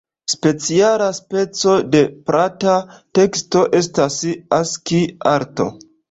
Speciala speco de plata teksto estas Aski-arto.